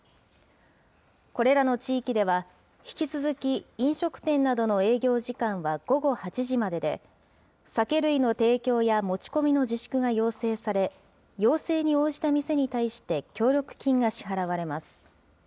これらの地域では、引き続き飲食店などの営業時間は午後８時までで、酒類の提供や持ち込みの自粛が要請され、要請に応じた店に対して協力金が支払われます。